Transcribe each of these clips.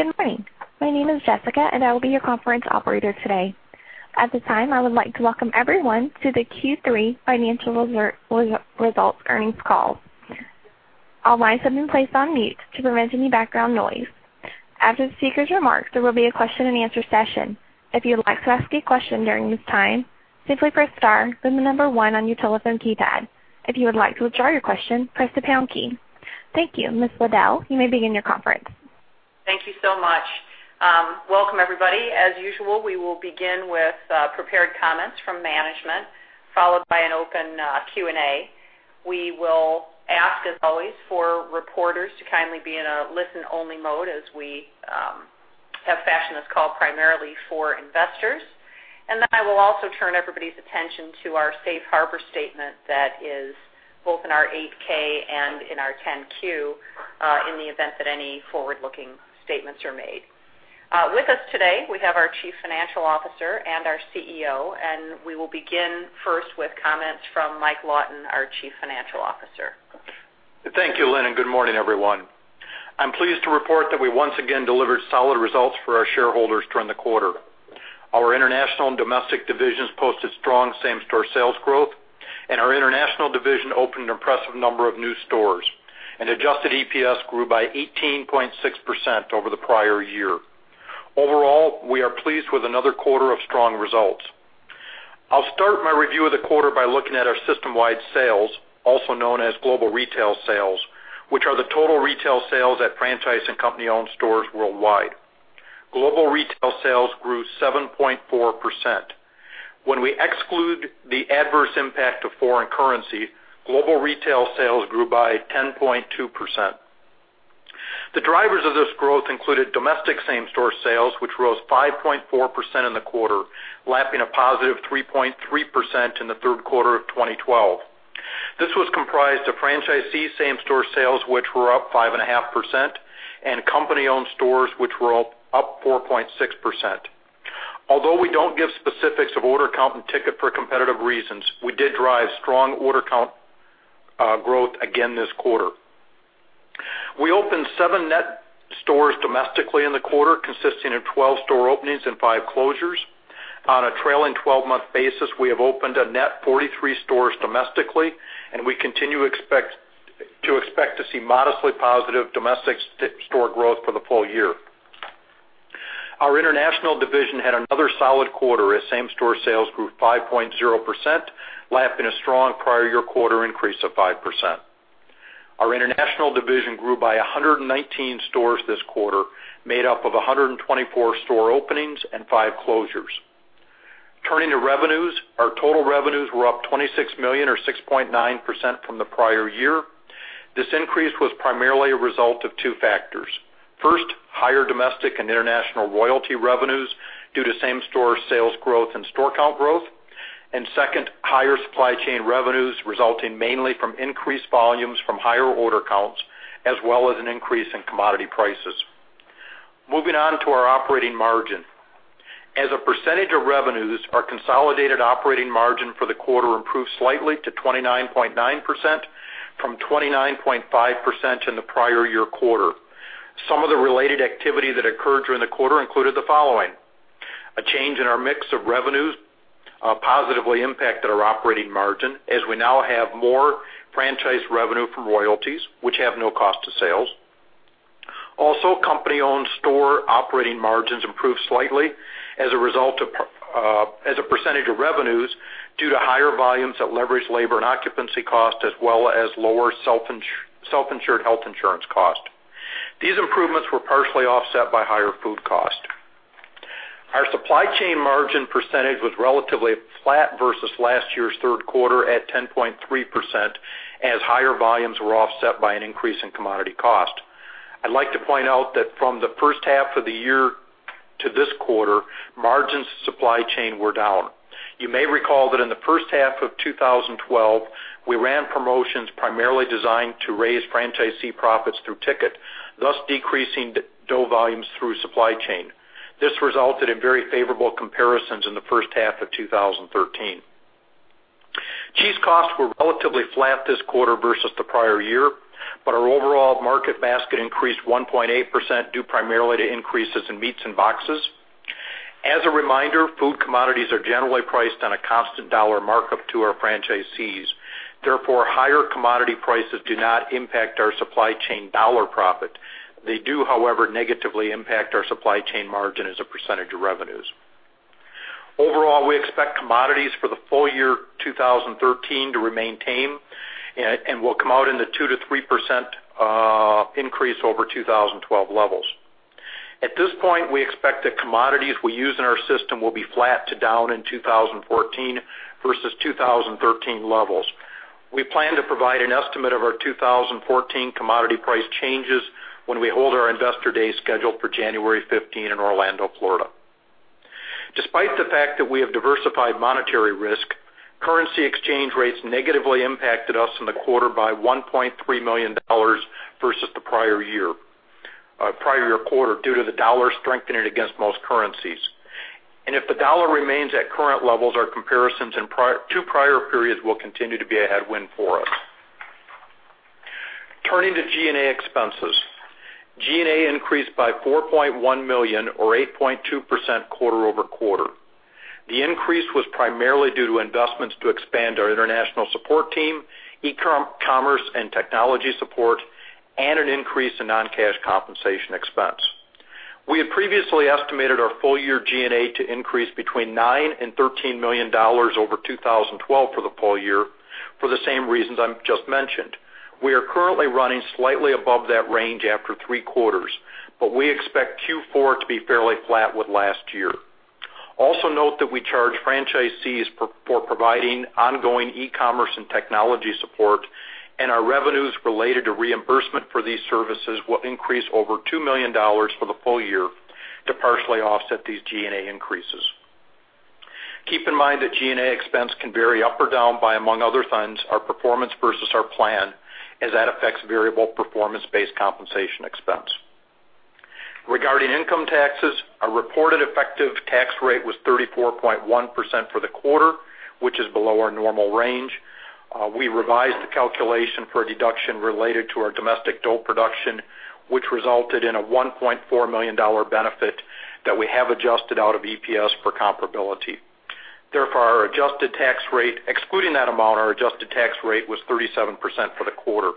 Good morning. My name is Jessica. I will be your conference operator today. At this time, I would like to welcome everyone to the Q3 Financial Results Earnings Call. All lines have been placed on mute to prevent any background noise. After the speakers' remarks, there will be a question-and-answer session. If you would like to ask a question during this time, simply press star then the number one on your telephone keypad. If you would like to withdraw your question, press the pound key. Thank you. Lynn Liddle, you may begin your conference. Thank you so much. Welcome, everybody. As usual, we will begin with prepared comments from management, followed by an open Q&A. We will ask, as always, for reporters to kindly be in a listen-only mode, as we have fashioned this call primarily for investors. I will also turn everybody's attention to our safe harbor statement that is both in our 8-K and in our 10-Q in the event that any forward-looking statements are made. With us today, we have our Chief Financial Officer and our CEO. We will begin first with comments from Mike Lawton, our Chief Financial Officer. Thank you, Lynn. Good morning, everyone. I'm pleased to report that we once again delivered solid results for our shareholders during the quarter. Our international and domestic divisions posted strong same-store sales growth. Our international division opened an impressive number of new stores, and adjusted EPS grew by 18.6% over the prior year. Overall, we are pleased with another quarter of strong results. I'll start my review of the quarter by looking at our system-wide sales, also known as global retail sales, which are the total retail sales at franchise and company-owned stores worldwide. Global retail sales grew 7.4%. When we exclude the adverse impact of foreign currency, global retail sales grew by 10.2%. The drivers of this growth included domestic same-store sales, which rose 5.4% in the quarter, lapping a positive 3.3% in the third quarter of 2012. This was comprised of franchisee same-store sales, which were up 5.5%, and company-owned stores, which were up 4.6%. Although we don't give specifics of order count and ticket for competitive reasons, we did drive strong order count growth again this quarter. We opened seven net stores domestically in the quarter, consisting of 12 store openings and five closures. On a trailing 12-month basis, we have opened a net 43 stores domestically. We continue to expect to see modestly positive domestic store growth for the full year. Our international division had another solid quarter as same-store sales grew 5.0%, lapping a strong prior year quarter increase of 5%. Our international division grew by 119 stores this quarter, made up of 124 store openings and five closures. Turning to revenues, our total revenues were up $26 million or 6.9% from the prior year. This increase was primarily a result of two factors. First, higher domestic and international royalty revenues due to same-store sales growth and store count growth. Second, higher supply chain revenues resulting mainly from increased volumes from higher order counts, as well as an increase in commodity prices. Moving on to our operating margin. As a percentage of revenues, our consolidated operating margin for the quarter improved slightly to 29.9% from 29.5% in the prior year quarter. Some of the related activity that occurred during the quarter included the following: A change in our mix of revenues positively impacted our operating margin, as we now have more franchise revenue from royalties, which have no cost to sales. Also, company-owned store operating margins improved slightly as a percentage of revenues due to higher volumes that leveraged labor and occupancy cost, as well as lower self-insured health insurance cost. These improvements were partially offset by higher food cost. Our supply chain margin percentage was relatively flat versus last year's third quarter at 10.3% as higher volumes were offset by an increase in commodity cost. I'd like to point out that from the first half of the year to this quarter, margins supply chain were down. You may recall that in the first half of 2012, we ran promotions primarily designed to raise franchisee profits through ticket, thus decreasing dough volumes through supply chain. This resulted in very favorable comparisons in the first half of 2013. Cheese costs were relatively flat this quarter versus the prior year, our overall market basket increased 1.8% due primarily to increases in meats and boxes. As a reminder, food commodities are generally priced on a constant dollar markup to our franchisees. Therefore, higher commodity prices do not impact our supply chain dollar profit. They do, however, negatively impact our supply chain margin as a percentage of revenues. Overall, we expect commodities for the full year 2013 to remain tame and will come out in the 2%-3% increase over 2012 levels. At this point, we expect the commodities we use in our system will be flat to down in 2014 versus 2013 levels. We plan to provide an estimate of our 2014 commodity price changes when we hold our Investor Day scheduled for January 15 in Orlando, Florida. Despite the fact that we have diversified monetary risk, currency exchange rates negatively impacted us in the quarter by $1.3 million versus the prior year quarter due to the dollar strengthening against most currencies. If the dollar remains at current levels, our comparisons in two prior periods will continue to be a headwind for us. Turning to G&A expenses. G&A increased by $4.1 million or 8.2% quarter-over-quarter. The increase was primarily due to investments to expand our international support team, e-commerce and technology support, and an increase in non-cash compensation expense. We had previously estimated our full year G&A to increase between $9 million and $13 million over 2012 for the full year for the same reasons I've just mentioned. We are currently running slightly above that range after three quarters, we expect Q4 to be fairly flat with last year. Also note that we charge franchisees for providing ongoing e-commerce and technology support, Our revenues related to reimbursement for these services will increase over $2 million for the full year to partially offset these G&A increases. Keep in mind that G&A expense can vary up or down by, among other things, our performance versus our plan, as that affects variable performance-based compensation expense. Regarding income taxes, our reported effective tax rate was 34.1% for the quarter, which is below our normal range. We revised the calculation for a deduction related to our domestic dough production, which resulted in a $1.4 million benefit that we have adjusted out of EPS for comparability. Therefore, our adjusted tax rate, excluding that amount, our adjusted tax rate was 37% for the quarter.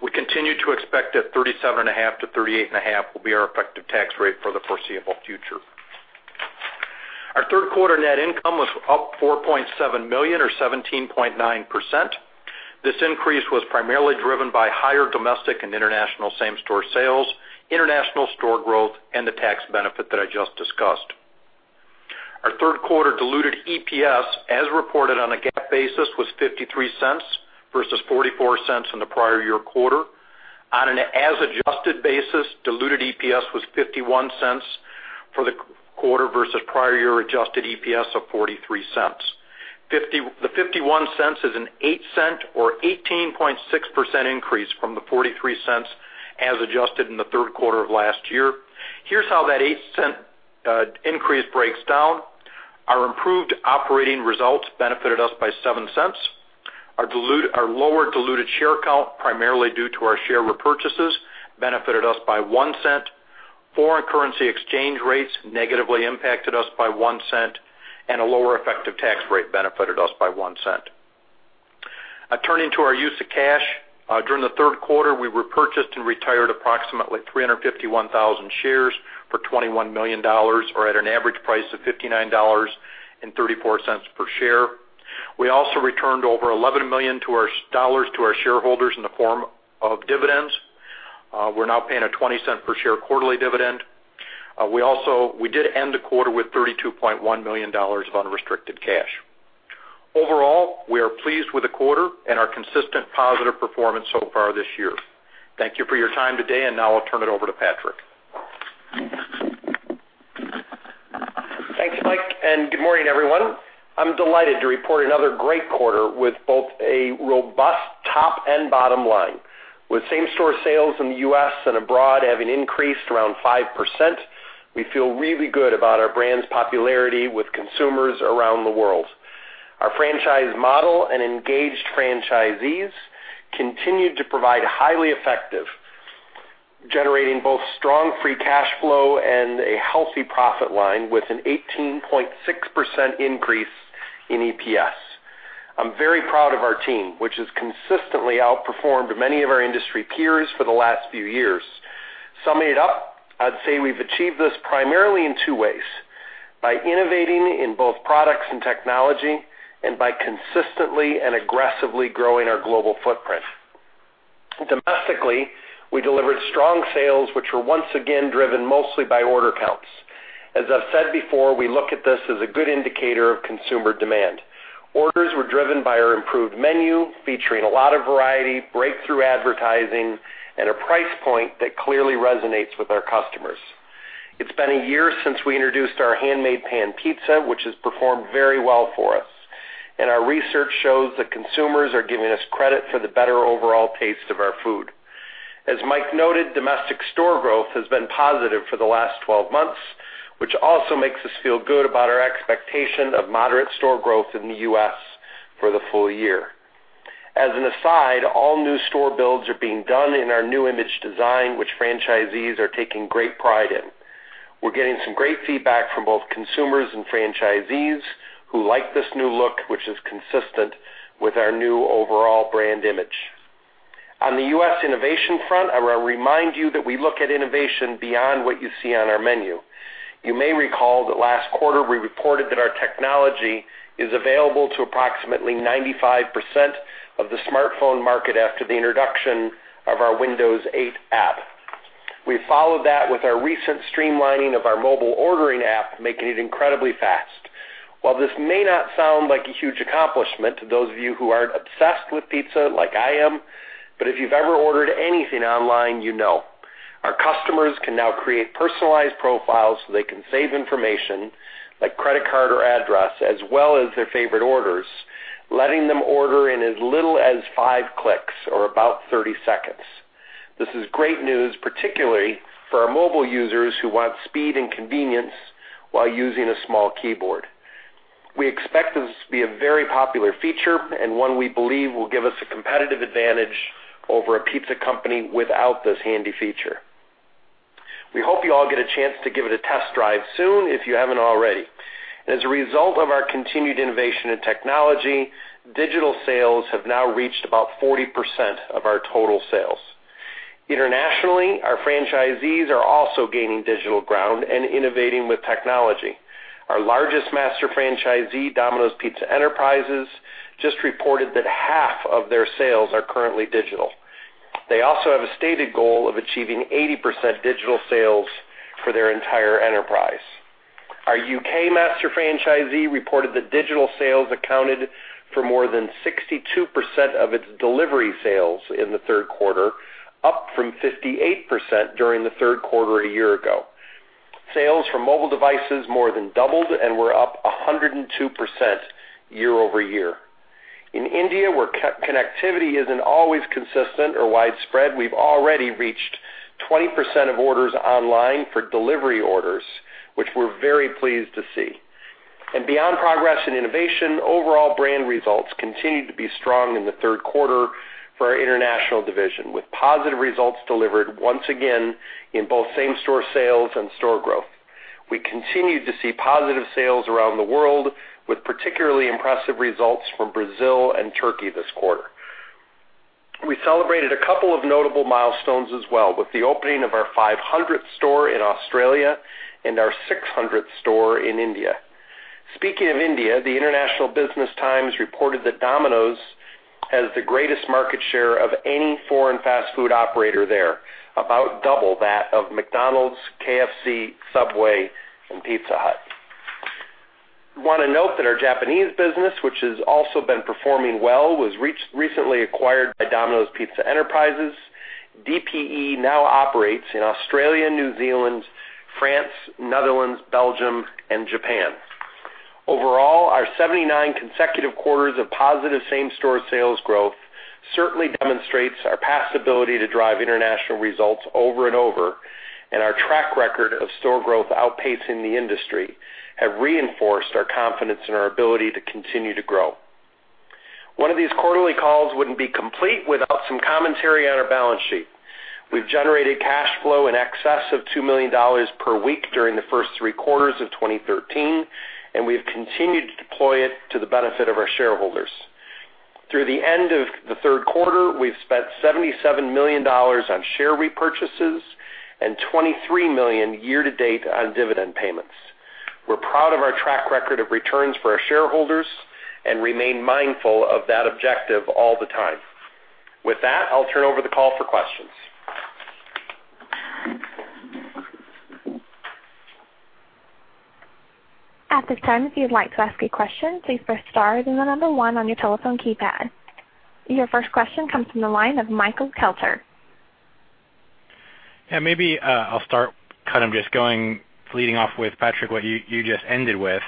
We continue to expect that 37.5%-38.5% will be our effective tax rate for the foreseeable future. Our third quarter net income was up $4.7 million or 17.9%. This increase was primarily driven by higher domestic and international same-store sales, international store growth, and the tax benefit that I just discussed. Our third quarter diluted EPS, as reported on a GAAP basis, was $0.53 versus $0.44 in the prior year quarter. On an as-adjusted basis, diluted EPS was $0.51 for the quarter versus prior year adjusted EPS of $0.43. The $0.51 is an $0.08 or 18.6% increase from the $0.43 as adjusted in the third quarter of last year. Here's how that $0.08 increase breaks down. Our improved operating results benefited us by $0.07. Our lower diluted share count, primarily due to our share repurchases, benefited us by $0.01. Foreign currency exchange rates negatively impacted us by $0.01. A lower effective tax rate benefited us by $0.01. Turning to our use of cash. During the third quarter, we repurchased and retired approximately 351,000 shares for $21 million, or at an average price of $59.34 per share. We also returned over $11 million to our shareholders in the form of dividends. We're now paying a $0.20 per share quarterly dividend. We did end the quarter with $32.1 million of unrestricted cash. Overall, we are pleased with the quarter and our consistent positive performance so far this year. Thank you for your time today. Now I'll turn it over to Patrick. Thanks, Mike. Good morning, everyone. I'm delighted to report another great quarter with both a robust top and bottom line. With same-store sales in the U.S. and abroad having increased around 5%, we feel really good about our brand's popularity with consumers around the world. Our franchise model and engaged franchisees continued to provide highly effective, generating both strong free cash flow and a healthy profit line with an 18.6% increase in EPS. I'm very proud of our team, which has consistently outperformed many of our industry peers for the last few years. Summing it up, I'd say we've achieved this primarily in two ways, by innovating in both products and technology and by consistently and aggressively growing our global footprint. Domestically, we delivered strong sales, which were once again driven mostly by order counts. As I've said before, we look at this as a good indicator of consumer demand. Orders were driven by our improved menu, featuring a lot of variety, breakthrough advertising, and a price point that clearly resonates with our customers. It's been a year since we introduced our Handmade Pan Pizza, which has performed very well for us, and our research shows that consumers are giving us credit for the better overall taste of our food. As Mike noted, domestic store growth has been positive for the last 12 months, which also makes us feel good about our expectation of moderate store growth in the U.S. for the full year. As an aside, all new store builds are being done in our new image design, which franchisees are taking great pride in. We're getting some great feedback from both consumers and franchisees who like this new look, which is consistent with our new overall brand image. On the U.S. innovation front, I want to remind you that we look at innovation beyond what you see on our menu. You may recall that last quarter, we reported that our technology is available to approximately 95% of the smartphone market after the introduction of our Windows 8 app. We followed that with our recent streamlining of our mobile ordering app, making it incredibly fast. While this may not sound like a huge accomplishment to those of you who aren't obsessed with pizza like I am, if you've ever ordered anything online, you know. Our customers can now create personalized profiles so they can save information like credit card or address, as well as their favorite orders, letting them order in as little as 5 clicks or about 30 seconds. This is great news, particularly for our mobile users who want speed and convenience while using a small keyboard. We expect this to be a very popular feature and one we believe will give us a competitive advantage over a pizza company without this handy feature. We hope you all get a chance to give it a test drive soon if you haven't already. As a result of our continued innovation in technology, digital sales have now reached about 40% of our total sales. Internationally, our franchisees are also gaining digital ground and innovating with technology. Our largest master franchisee, Domino's Pizza Enterprises, just reported that half of their sales are currently digital. They also have a stated goal of achieving 80% digital sales for their entire enterprise. Our U.K. master franchisee reported that digital sales accounted for more than 62% of its delivery sales in the third quarter, up from 58% during the third quarter a year ago. Sales from mobile devices more than doubled and were up 102% year-over-year. In India, where connectivity isn't always consistent or widespread, we've already reached 20% of orders online for delivery orders, which we're very pleased to see. Beyond progress in innovation, overall brand results continued to be strong in the third quarter for our international division, with positive results delivered once again in both same-store sales and store growth. We continued to see positive sales around the world, with particularly impressive results from Brazil and Turkey this quarter. We celebrated a couple of notable milestones as well with the opening of our 500th store in Australia and our 600th store in India. Speaking of India, the International Business Times reported that Domino's has the greatest market share of any foreign fast food operator there, about double that of McDonald's, KFC, Subway, and Pizza Hut. We want to note that our Japanese business, which has also been performing well, was recently acquired by Domino's Pizza Enterprises. DPE now operates in Australia, New Zealand, France, Netherlands, Belgium, and Japan. Overall, our 79 consecutive quarters of positive same-store sales growth certainly demonstrates our past ability to drive international results over and over, and our track record of store growth outpacing the industry have reinforced our confidence in our ability to continue to grow. One of these quarterly calls wouldn't be complete without some commentary on our balance sheet. We've generated cash flow in excess of $2 million per week during the first three quarters of 2013. We've continued to deploy it to the benefit of our shareholders. Through the end of the third quarter, we've spent $77 million on share repurchases and $23 million year-to-date on dividend payments. We're proud of our track record of returns for our shareholders and remain mindful of that objective all the time. With that, I'll turn over the call for questions. At this time, if you'd like to ask a question, please press star then the number one on your telephone keypad. Your first question comes from the line of Michael Kelter. Yeah, maybe I'll start kind of just going leading off with, Patrick, what you just ended with,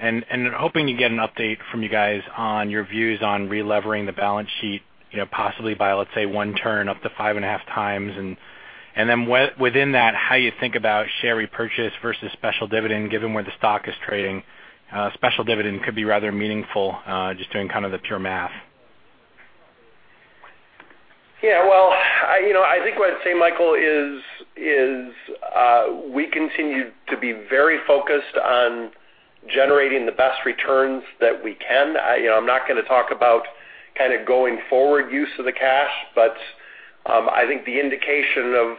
hoping to get an update from you guys on your views on relevering the balance sheet, possibly by, let's say, one turn up to five and a half times. Then within that, how you think about share repurchase versus special dividend, given where the stock is trading. Special dividend could be rather meaningful, just doing kind of the pure math. Yeah. Well, I think what I'd say, Michael, is we continue to be very focused on generating the best returns that we can. I'm not going to talk about kind of going-forward use of the cash, but I think the indication of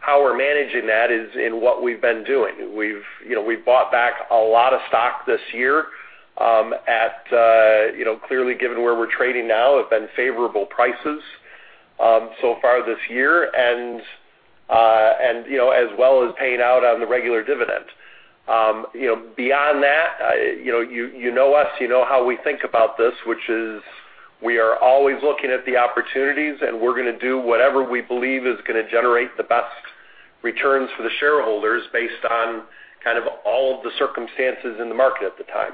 how we're managing that is in what we've been doing. We've bought back a lot of stock this year at, clearly given where we're trading now, have been favorable prices so far this year and as well as paying out on the regular dividend. Beyond that, you know us, you know how we think about this, which is we are always looking at the opportunities, and we're going to do whatever we believe is going to generate the best returns for the shareholders based on kind of all the circumstances in the market at the time.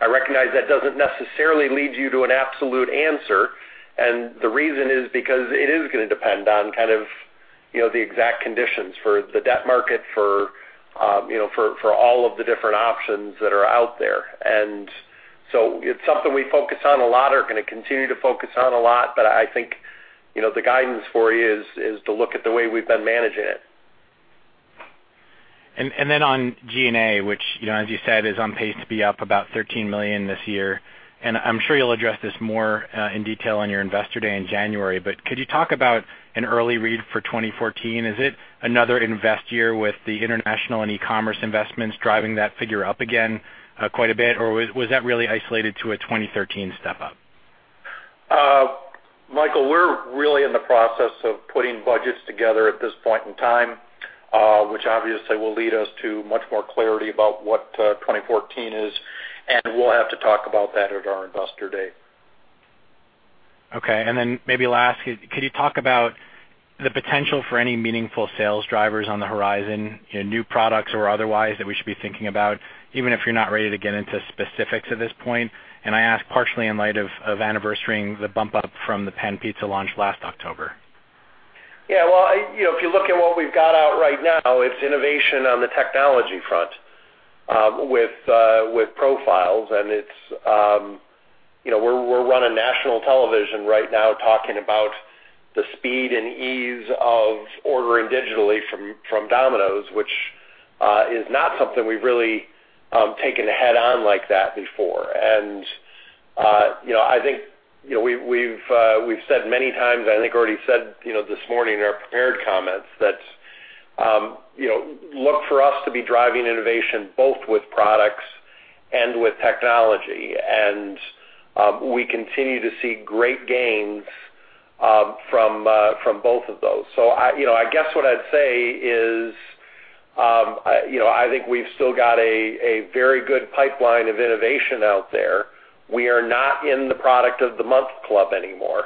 I recognize that doesn't necessarily lead you to an absolute answer, and the reason is because it is going to depend on kind of the exact conditions for the debt market, for all of the different options that are out there. It's something we focus on a lot, are going to continue to focus on a lot, I think the guidance for you is to look at the way we've been managing it. On G&A, which as you said, is on pace to be up about $13 million this year. I'm sure you'll address this more in detail on your Investor Day in January, could you talk about an early read for 2014? Is it another invest year with the international and e-commerce investments driving that figure up again quite a bit, or was that really isolated to a 2013 step-up? Michael, we're really in the process of putting budgets together at this point in time, which obviously will lead us to much more clarity about what 2014 is, we'll have to talk about that at our Investor Day. Okay. Then maybe last, could you talk about the potential for any meaningful sales drivers on the horizon, new products or otherwise, that we should be thinking about, even if you're not ready to get into specifics at this point? I ask partially in light of anniversarying the bump up from the Pan Pizza launch last October. Yeah. Well, if you look at what we've got out right now, it's innovation on the technology front with profiles, and we're running national television right now talking about the speed and ease of ordering digitally from Domino's, which is not something we've really taken head on like that before. I think we've said many times, I think already said this morning in our prepared comments, that look for us to be driving innovation both with products and with technology. We continue to see great gains from both of those. I guess what I'd say is I think we've still got a very good pipeline of innovation out there. We are not in the product of the month club anymore.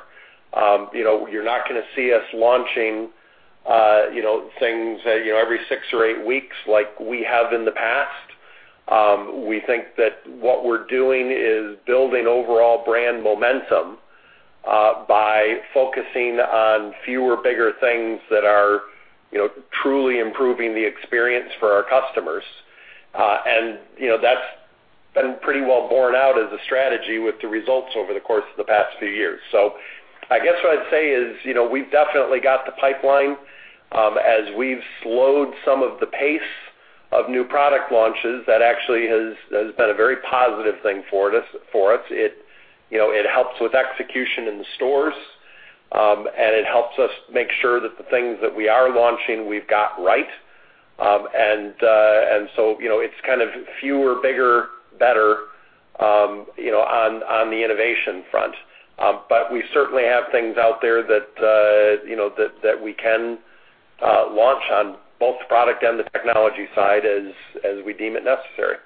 You're not going to see us launching things every six or eight weeks like we have in the past. We think that what we're doing is building overall brand momentum by focusing on fewer, bigger things that are truly improving the experience for our customers. That's been pretty well borne out as a strategy with the results over the course of the past few years. I guess what I'd say is we've definitely got the pipeline. As we've slowed some of the pace of new product launches, that actually has been a very positive thing for us. It helps with execution in the stores, and it helps us make sure that the things that we are launching, we've got right. It's kind of fewer, bigger, better on the innovation front. We certainly have things out there that we can launch on both the product and the technology side as we deem it necessary.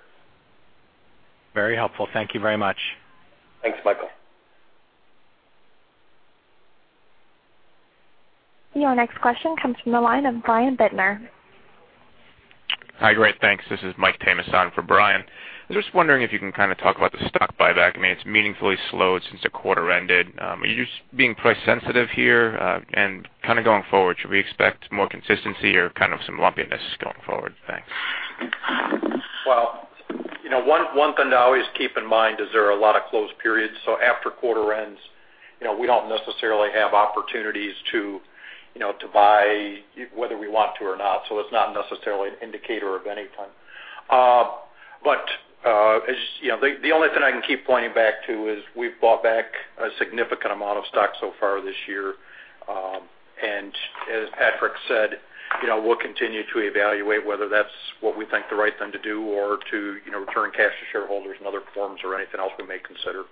Very helpful. Thank you very much. Thanks, Michael. Your next question comes from the line of Brian Bittner. Hi. Great. Thanks. This is Mike Tamas for Brian. I was just wondering if you can kind of talk about the stock buyback. It's meaningfully slowed since the quarter ended. Are you just being price sensitive here? Kind of going forward, should we expect more consistency or kind of some lumpiness going forward? Thanks. Well, one thing to always keep in mind is there are a lot of closed periods. After quarter ends, we don't necessarily have opportunities to buy whether we want to or not. It's not necessarily an indicator of any time. The only thing I can keep pointing back to is we've bought back a significant amount of stock so far this year. As Patrick said, we'll continue to evaluate whether that's what we think the right thing to do, or to return cash to shareholders in other forms or anything else we may consider.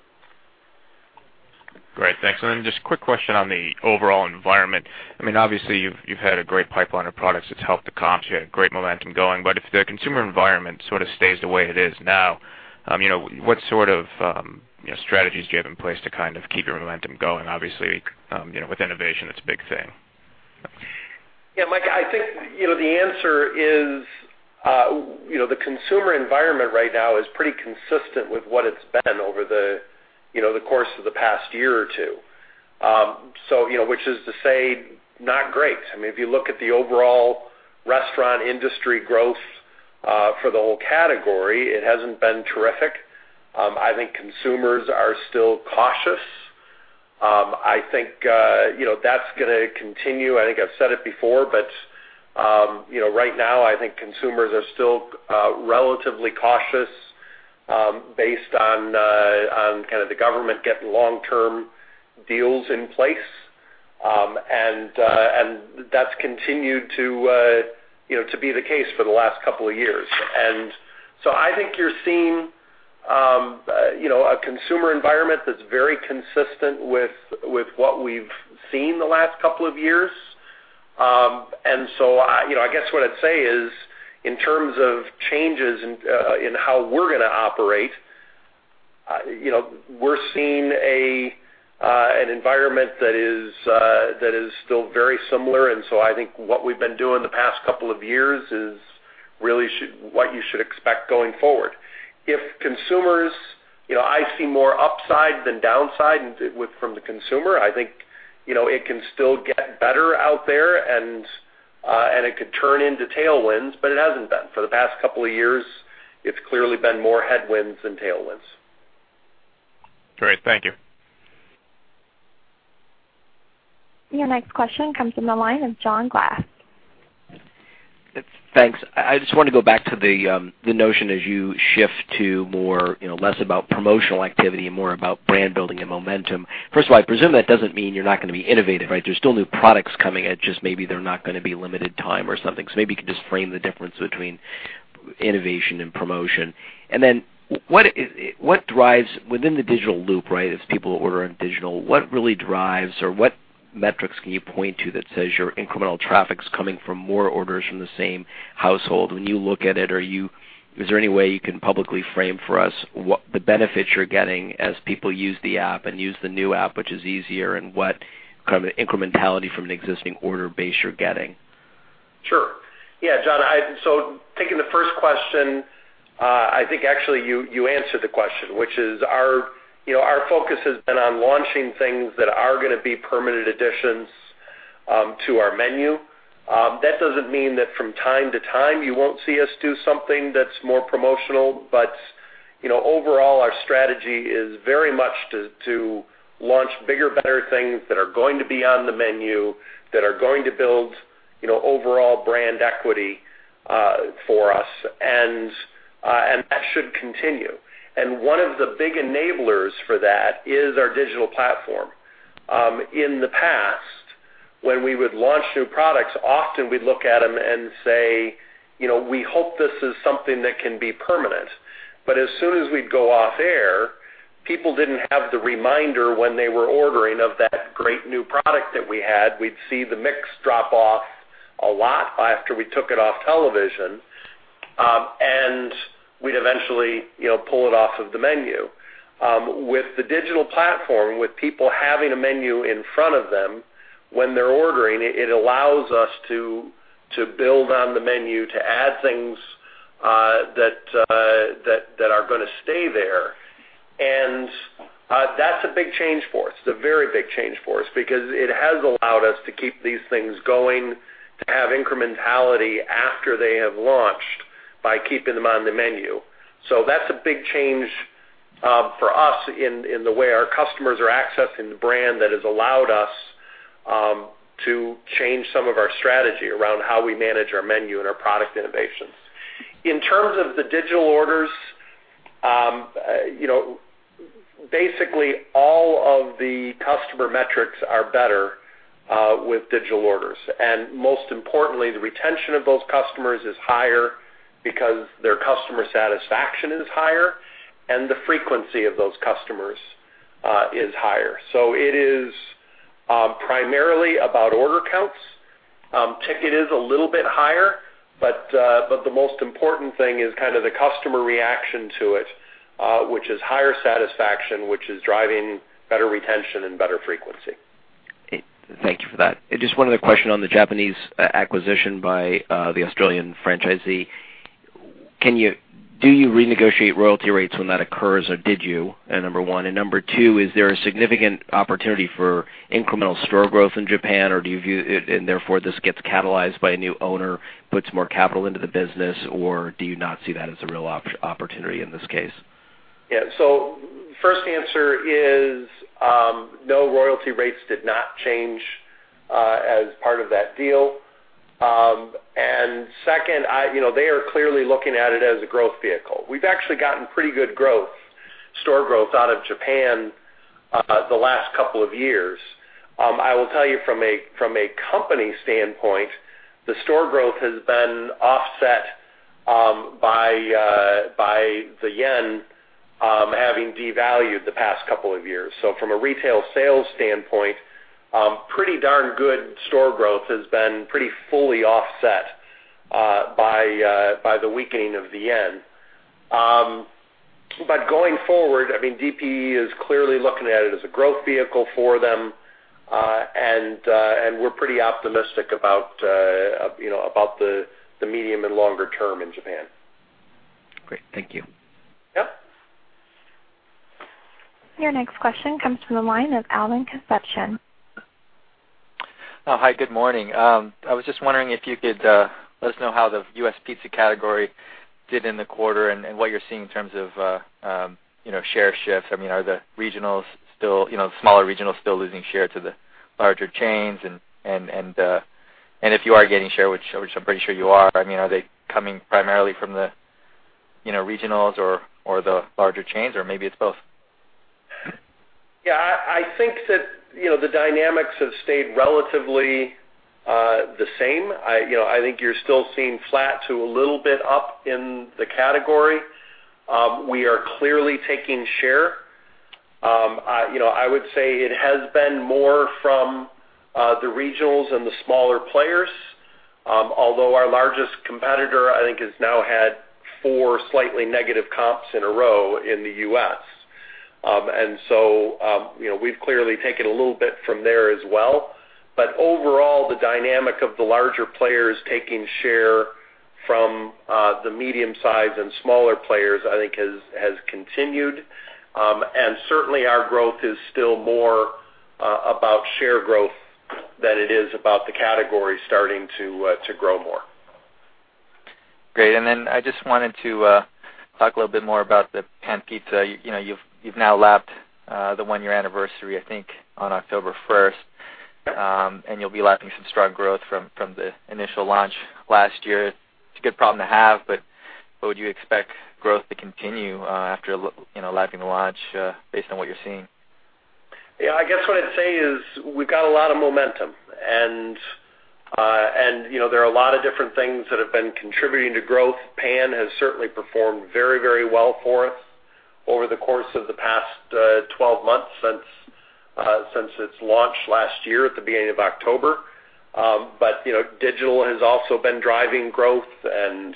Great. Thanks. Then just a quick question on the overall environment. Obviously, you've had a great pipeline of products that's helped the comps. You had great momentum going. If the consumer environment sort of stays the way it is now, what sort of strategies do you have in place to kind of keep your momentum going? Obviously, with innovation, it's a big thing. Yeah, Mike, I think the answer is the consumer environment right now is pretty consistent with what it's been over the course of the past year or two, which is to say not great. If you look at the overall restaurant industry growth for the whole category, it hasn't been terrific. I think consumers are still cautious. I think that's going to continue. I think I've said it before, right now, I think consumers are still relatively cautious based on kind of the government getting long-term deals in place, and that's continued to be the case for the last couple of years. So I think you're seeing a consumer environment that's very consistent with what we've seen the last couple of years. So I guess what I'd say is, in terms of changes in how we're going to operate, we're seeing an environment that is still very similar. So I think what we've been doing the past couple of years is really what you should expect going forward. I see more upside than downside from the consumer. I think it can still get better out there, and it could turn into tailwinds, but it hasn't been. For the past couple of years, it's clearly been more headwinds than tailwinds. Great. Thank you. Your next question comes from the line of John Glass. Thanks. I just want to go back to the notion as you shift to less about promotional activity and more about brand building and momentum. First of all, I presume that doesn't mean you're not going to be innovative, right? There's still new products coming, it's just maybe they're not going to be limited time or something. Maybe you could just frame the difference between innovation and promotion. Then within the digital loop, as people order on digital, what really drives or what metrics can you point to that says your incremental traffic's coming from more orders from the same household? When you look at it, is there any way you can publicly frame for us the benefits you're getting as people use the app and use the new app, which is easier, and what kind of incrementality from an existing order base you're getting? Sure. Yeah, John, taking the first question, I think actually you answered the question, which is our focus has been on launching things that are going to be permanent additions to our menu. That doesn't mean that from time to time you won't see us do something that's more promotional, but overall, our strategy is very much to launch bigger, better things that are going to be on the menu, that are going to build overall brand equity for us and that should continue. One of the big enablers for that is our digital platform. In the past, when we would launch new products, often we'd look at them and say, "We hope this is something that can be permanent." As soon as we'd go off air, people didn't have the reminder when they were ordering of that great new product that we had. We'd see the mix drop off a lot after we took it off television, and we'd eventually pull it off of the menu. With the digital platform, with people having a menu in front of them when they're ordering, it allows us to build on the menu, to add things that are going to stay there. That's a big change for us. It's a very big change for us because it has allowed us to keep these things going, to have incrementality after they have launched by keeping them on the menu. That's a big change for us in the way our customers are accessing the brand that has allowed us to change some of our strategy around how we manage our menu and our product innovations. In terms of the digital orders, basically all of the customer metrics are better with digital orders. Most importantly, the retention of those customers is higher because their customer satisfaction is higher, and the frequency of those customers is higher. It is primarily about order counts. Ticket is a little bit higher, the most important thing is kind of the customer reaction to it, which is higher satisfaction, which is driving better retention and better frequency. Thank you for that. Just one other question on the Japanese acquisition by the Australian franchisee. Do you renegotiate royalty rates when that occurs, or did you? Number one, and number two, is there a significant opportunity for incremental store growth in Japan? Therefore, this gets catalyzed by a new owner, puts more capital into the business, or do you not see that as a real opportunity in this case? Yeah. First answer is, no royalty rates did not change as part of that deal. Second, they are clearly looking at it as a growth vehicle. We've actually gotten pretty good store growth out of Japan the last couple of years. I will tell you from a company standpoint, the store growth has been offset by the yen having devalued the past couple of years. From a retail sales standpoint, pretty darn good store growth has been pretty fully offset by the weakening of the yen. Going forward, DPE is clearly looking at it as a growth vehicle for them. We're pretty optimistic about the medium and longer term in Japan. Great. Thank you. Yep. Your next question comes from the line of Alton Stump. Hi. Good morning. I was just wondering if you could let us know how the U.S. pizza category did in the quarter and what you're seeing in terms of share shifts. Are the smaller regionals still losing share to the larger chains? If you are gaining share, which I'm pretty sure you are they coming primarily from the regionals or the larger chains, or maybe it's both? I think that the dynamics have stayed relatively the same. I think you're still seeing flat to a little bit up in the category. We are clearly taking share. I would say it has been more from the regionals and the smaller players. Although our largest competitor, I think, has now had four slightly negative comps in a row in the U.S. We've clearly taken a little bit from there as well. Overall, the dynamic of the larger players taking share from the medium size and smaller players, I think has continued. Certainly, our growth is still more about share growth than it is about the category starting to grow more. Great. Then I just wanted to talk a little bit more about the Pan Pizza. You've now lapped the one-year anniversary, I think, on October 1st. You'll be lapping some strong growth from the initial launch last year. It's a good problem to have. Would you expect growth to continue after lapping the launch based on what you're seeing? Yeah, I guess what I'd say is we've got a lot of momentum, and there are a lot of different things that have been contributing to growth. Pan has certainly performed very well for us over the course of the past 12 months since its launch last year at the beginning of October. Digital has also been driving growth, and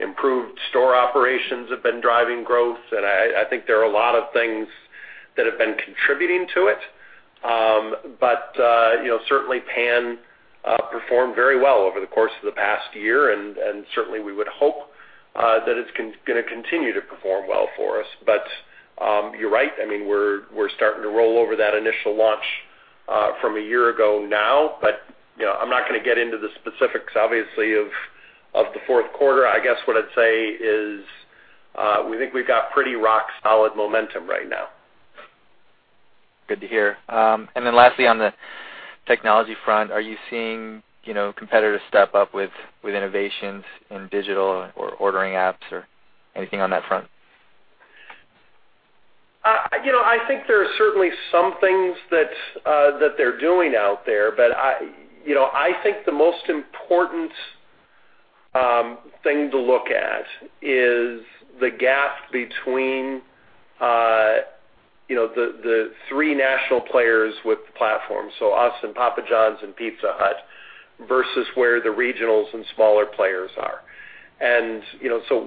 improved store operations have been driving growth. I think there are a lot of things that have been contributing to it. Certainly Pan performed very well over the course of the past year, and certainly we would hope that it's going to continue to perform well for us. You're right, we're starting to roll over that initial launch from a year ago now. I'm not going to get into the specifics, obviously, of the fourth quarter. I guess what I'd say is we think we've got pretty rock solid momentum right now. Good to hear. Then lastly, on the technology front, are you seeing competitors step up with innovations in digital or ordering apps or anything on that front? I think there are certainly some things that they're doing out there, but I think the most important thing to look at is the gap between the three national players with the platform. Us and Papa John's and Pizza Hut versus where the regionals and smaller players are.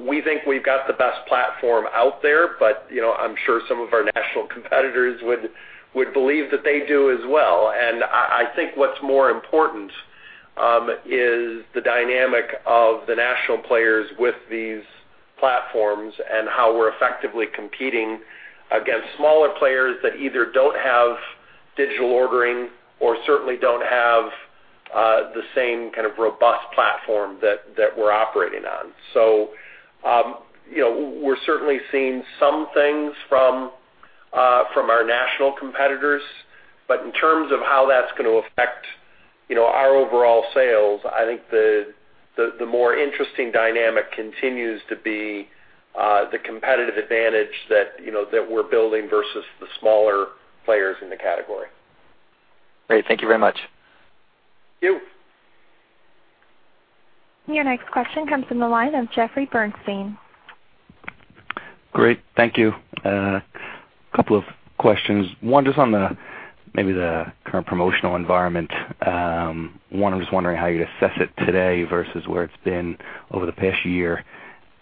We think we've got the best platform out there, but I'm sure some of our national competitors would believe that they do as well. I think what's more important is the dynamic of the national players with these platforms and how we're effectively competing against smaller players that either don't have digital ordering or certainly don't have the same kind of robust platform that we're operating on. We're certainly seeing some things from our national competitors, but in terms of how that's going to affect our overall sales, I think the more interesting dynamic continues to be the competitive advantage that we're building versus the smaller players in the category. Great. Thank you very much. Thank you. Your next question comes from the line of Jeffrey Bernstein. Great. Thank you. A couple of questions. One, just on maybe the current promotional environment. One, I'm just wondering how you'd assess it today versus where it's been over the past year,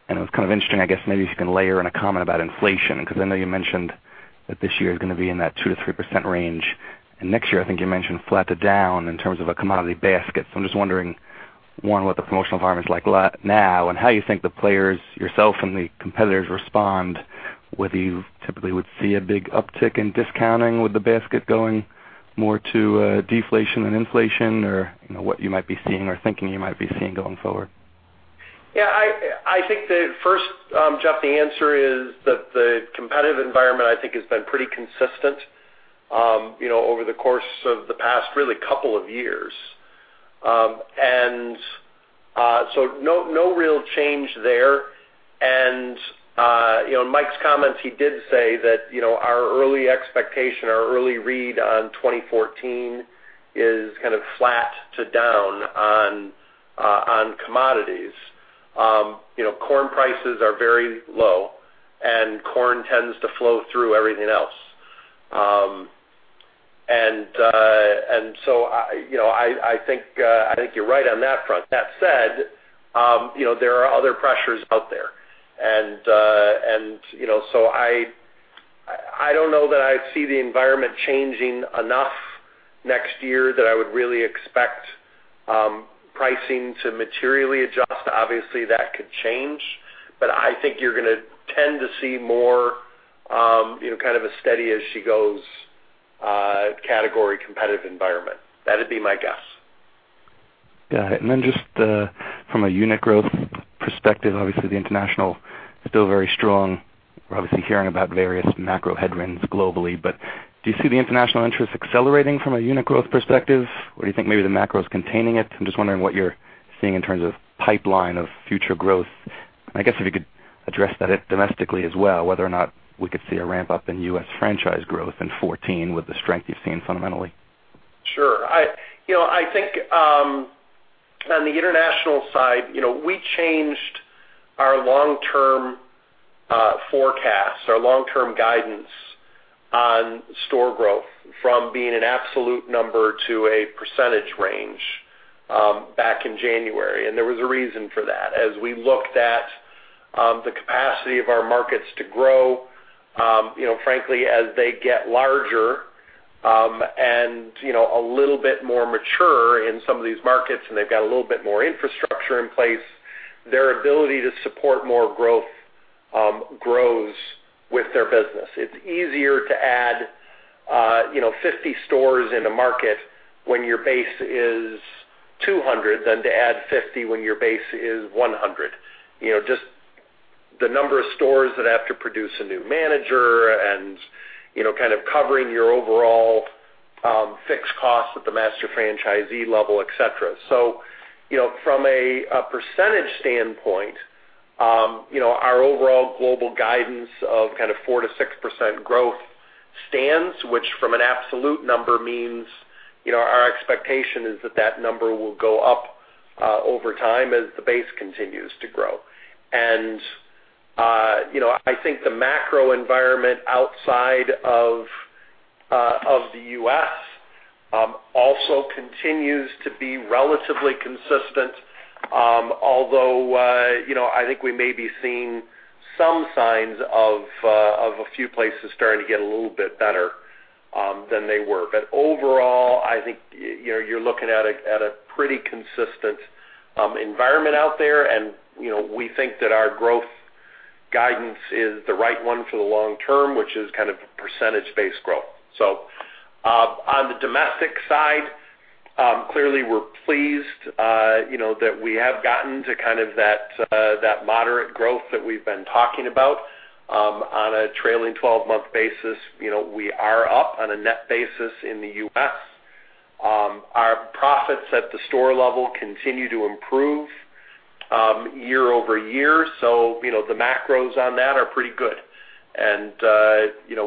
and it was kind of interesting, I guess maybe if you can layer in a comment about inflation, because I know you mentioned that this year is going to be in that 2%-3% range, and next year, I think you mentioned flat to down in terms of a commodity basket. I'm just wondering, one, what the promotional environment is like now and how you think the players, yourself and the competitors respond, whether you typically would see a big uptick in discounting with the basket going more to deflation than inflation or what you might be seeing or thinking you might be seeing going forward? Yeah, I think the first, Jeff, the answer is that the competitive environment, I think, has been pretty consistent over the course of the past, really, couple of years. No real change there. In Mike's comments, he did say that our early expectation, our early read on 2014 is kind of flat to down on commodities. Corn prices are very low, and corn tends to flow through everything else. I think you're right on that front. That said, there are other pressures out there. I don't know that I see the environment changing enough next year that I would really expect pricing to materially adjust. Obviously, that could change, but I think you're going to tend to see more kind of a steady as she goes category competitive environment. That'd be my guess. Got it. Just from a unit growth perspective, obviously the international is still very strong. We're obviously hearing about various macro headwinds globally. Do you see the international interest accelerating from a unit growth perspective? Do you think maybe the macro is containing it? I'm just wondering what you're seeing in terms of pipeline of future growth. I guess if you could address that domestically as well, whether or not we could see a ramp-up in U.S. franchise growth in 2014 with the strength you've seen fundamentally. Sure. I think on the international side, we changed our long-term forecasts, our long-term guidance on store growth from being an absolute number to a percentage range back in January, and there was a reason for that. As we looked at the capacity of our markets to grow, frankly, as they get larger and a little bit more mature in some of these markets and they've got a little bit more infrastructure in place, their ability to support more growth grows with their business. It's easier to add 50 stores in a market when your base is 200 than to add 50 when your base is 100. Just the number of stores that have to produce a new manager and kind of covering your overall fixed costs at the master franchisee level, et cetera. From a percentage standpoint, our overall global guidance of 4%-6% growth stands, which from an absolute number means our expectation is that that number will go up over time as the base continues to grow. I think the macro environment outside of the U.S. also continues to be relatively consistent. Although, I think we may be seeing some signs of a few places starting to get a little bit better than they were. Overall, I think you're looking at a pretty consistent environment out there, and we think that our growth guidance is the right one for the long term, which is percentage-based growth. On the domestic side, clearly we're pleased that we have gotten to that moderate growth that we've been talking about on a trailing 12-month basis. We are up on a net basis in the U.S. Our profits at the store level continue to improve year-over-year. The macros on that are pretty good.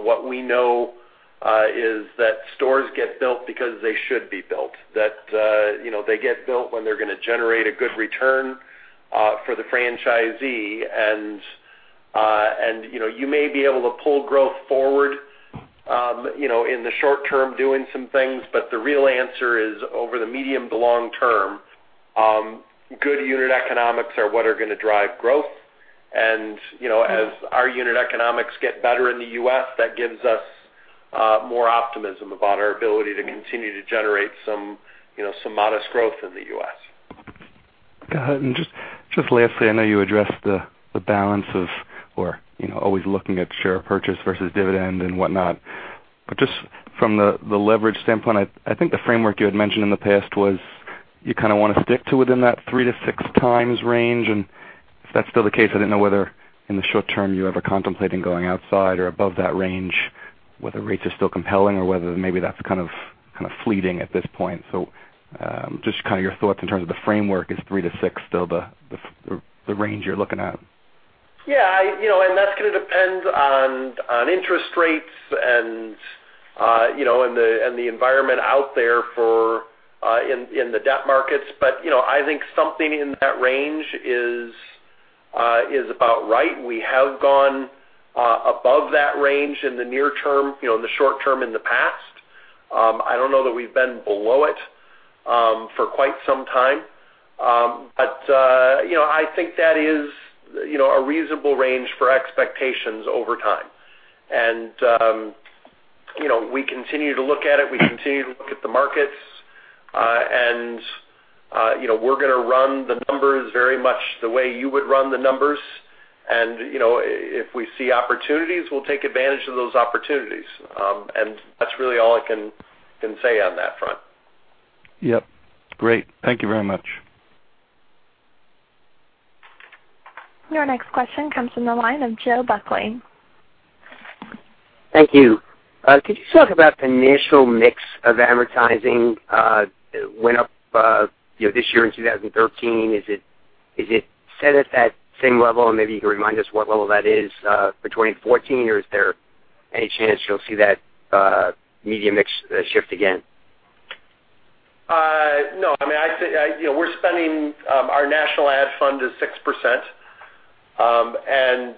What we know is that stores get built because they should be built. That they get built when they're going to generate a good return for the franchisee. You may be able to pull growth forward in the short term doing some things, but the real answer is over the medium to long term, good unit economics are what are going to drive growth. As our unit economics get better in the U.S., that gives us more optimism about our ability to continue to generate some modest growth in the U.S. Got it. Just lastly, I know you addressed the balance of, or always looking at share purchase versus dividend and whatnot, but just from the leverage standpoint, I think the framework you had mentioned in the past was you want to stick to within that 3-6 times range. If that's still the case, I didn't know whether in the short term you're ever contemplating going outside or above that range, whether rates are still compelling or whether maybe that's fleeting at this point. Just your thoughts in terms of the framework. Is 3-6 still the range you're looking at? Yeah. That's going to depend on interest rates and the environment out there in the debt markets. I think something in that range is about right. We have gone above that range in the near term, in the short term in the past. I don't know that we've been below it for quite some time. I think that is a reasonable range for expectations over time. We continue to look at it, we continue to look at the markets. We're going to run the numbers very much the way you would run the numbers. If we see opportunities, we'll take advantage of those opportunities. That's really all I can say on that front. Yep. Great. Thank you very much. Your next question comes from the line of Joe Buckley. Thank you. Could you talk about the national mix of advertising? It went up this year in 2013. Is it set at that same level? Maybe you can remind us what level that is for 2014, or is there any chance you'll see that media mix shift again? No. Our national ad fund is 6%, and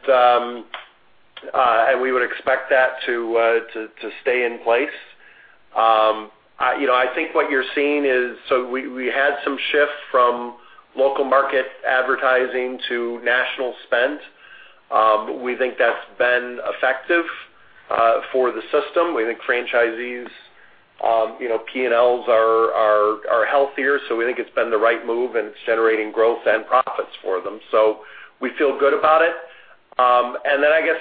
we would expect that to stay in place. I think what you're seeing is, so we had some shift from local market advertising to national spend. We think that's been effective for the system. We think franchisees' P&Ls are healthier, so we think it's been the right move, and it's generating growth and profits for them. We feel good about it. I guess,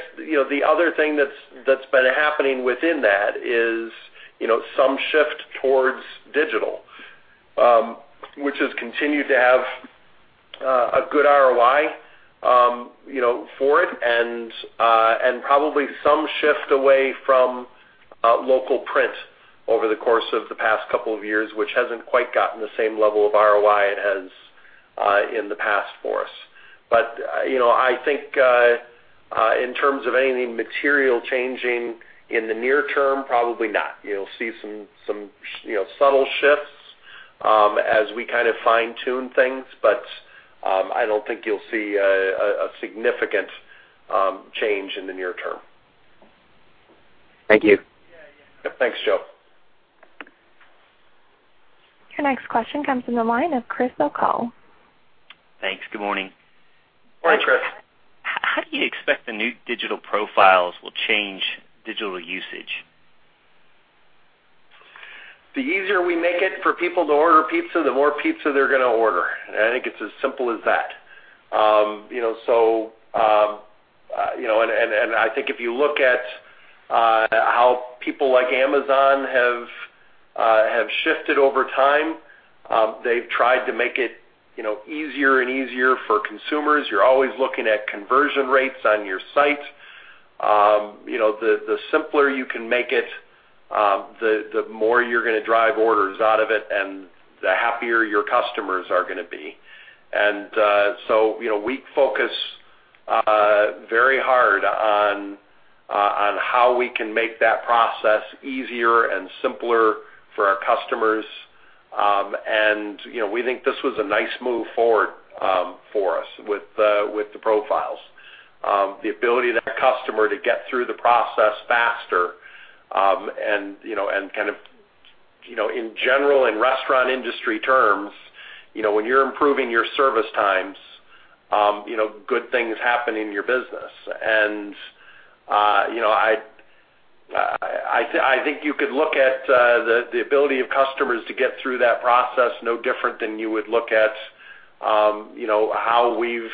the other thing that's been happening within that is some shift towards digital, which has continued to have a good ROI for it, and probably some shift away from local print over the course of the past couple of years, which hasn't quite gotten the same level of ROI it has in the past for us. I think, in terms of anything material changing in the near term, probably not. You'll see some subtle shifts as we kind of fine-tune things, I don't think you'll see a significant change in the near term. Thank you. Yep. Thanks, Joe. Your next question comes from the line of Chris O'Cull. Thanks. Good morning. Morning, Chris. How do you expect the new digital profiles will change digital usage? The easier we make it for people to order pizza, the more pizza they're going to order. I think it's as simple as that. I think if you look at how people like Amazon have shifted over time, they've tried to make it easier and easier for consumers. You're always looking at conversion rates on your site. The simpler you can make it, the more you're going to drive orders out of it and the happier your customers are going to be. We focus very hard on how we can make that process easier and simpler for our customers. We think this was a nice move forward for us with the profiles. The ability of that customer to get through the process faster. In general, in restaurant industry terms, when you're improving your service times, good things happen in your business. I think you could look at the ability of customers to get through that process no different than you would look at how we've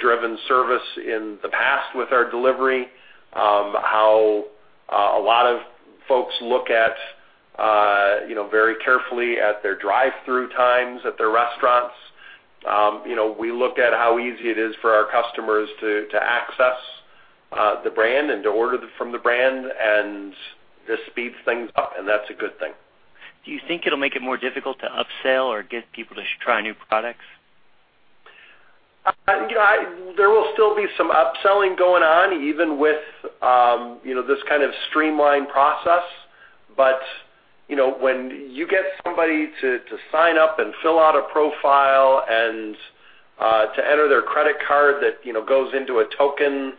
driven service in the past with our delivery, how a lot of folks look very carefully at their drive-through times at their restaurants. We look at how easy it is for our customers to access the brand and to order from the brand, and this speeds things up, and that's a good thing. Do you think it'll make it more difficult to upsell or get people to try new products? There will still be some upselling going on, even with this kind of streamlined process. When you get somebody to sign up and fill out a profile and to enter their credit card that goes into a token,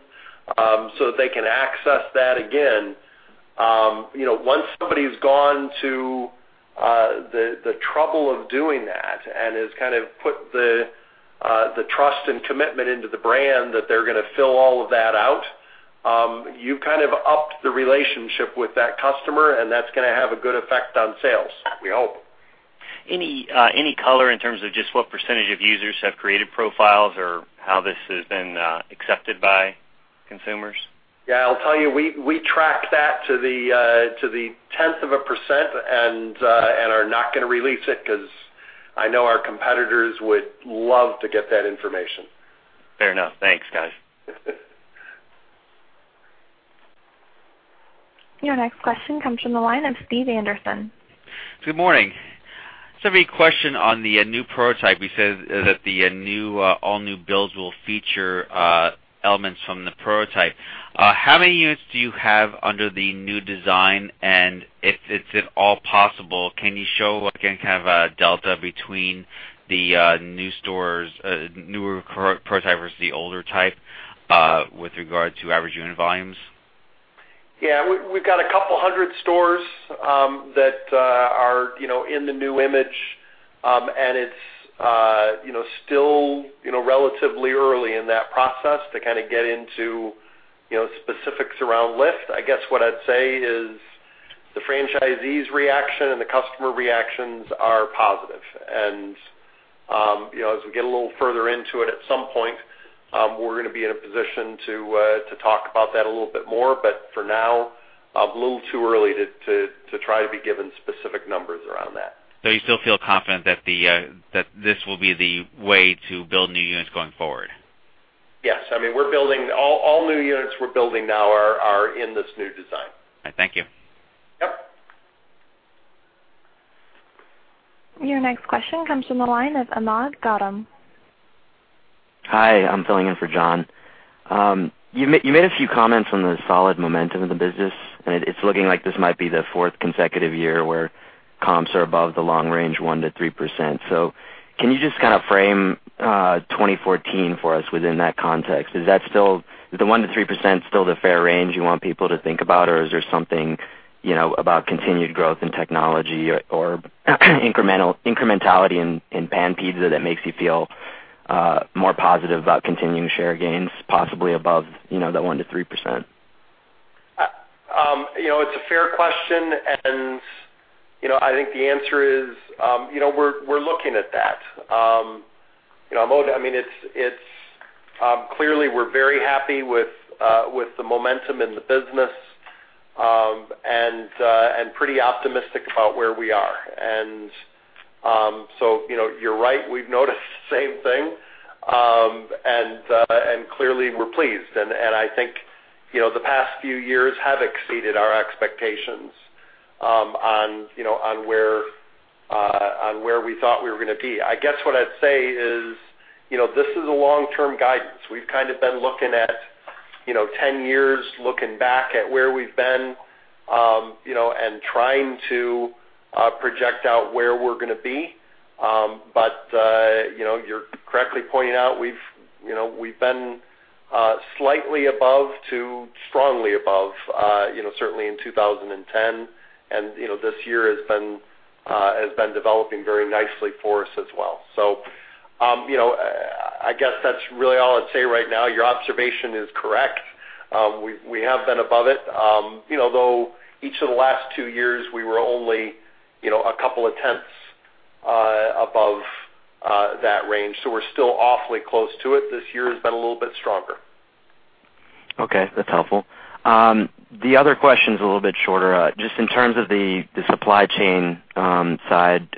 so that they can access that again, once somebody's gone to the trouble of doing that and has put the trust and commitment into the brand that they're going to fill all of that out, you've upped the relationship with that customer, and that's going to have a good effect on sales, we hope. Any color in terms of just what % of users have created profiles or how this has been accepted by consumers? Yeah, I'll tell you, we track that to the tenth of a % and are not going to release it because I know our competitors would love to get that information. Fair enough. Thanks, guys. Your next question comes from the line of Steve Anderson. Good morning. Just have a question on the new prototype. You said that the all new builds will feature elements from the prototype. How many units do you have under the new design? If it's at all possible, can you show what kind of a delta between the newer prototype versus the older type, with regard to average unit volumes? Yeah. We've got a couple hundred stores that are in the new image, and it's still relatively early in that process to get into specifics around lift. I guess what I'd say is the franchisees' reaction and the customer reactions are positive. As we get a little further into it, at some point, we're going to be in a position to talk about that a little bit more, but for now, a little too early to try to be giving specific numbers around that. You still feel confident that this will be the way to build new units going forward? Yes. All new units we're building now are in this new design. All right. Thank you. Yep. Your next question comes from the line of Akhil Gautam. Hi, I'm filling in for John. You made a few comments on the solid momentum of the business, and it's looking like this might be the fourth consecutive year where comps are above the long range 1%-3%. Can you just kind of frame 2014 for us within that context? Is the 1%-3% still the fair range you want people to think about, is there something about continued growth in technology or incrementality in pan pizza that makes you feel more positive about continuing share gains, possibly above the 1%-3%? It's a fair question, I think the answer is we're looking at that. Akhil, clearly, we're very happy with the momentum in the business, and pretty optimistic about where we are. You're right, we've noticed the same thing, clearly, we're pleased. I think the past few years have exceeded our expectations on where we thought we were going to be. I guess what I'd say is, this is a long-term guidance. We've kind of been looking at 10 years, looking back at where we've been, and trying to project out where we're going to be. You're correctly pointing out we've been slightly above to strongly above, certainly in 2010, and this year has been developing very nicely for us as well. I guess that's really all I'd say right now. Your observation is correct. We have been above it. Though each of the last two years, we were only a couple of tenths above that range, so we're still awfully close to it. This year has been a little bit stronger. Okay. That's helpful. The other question's a little bit shorter. Just in terms of the supply chain side,